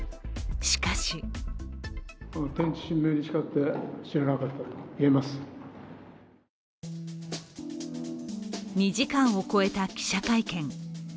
しかし２時間を超えた記者会見。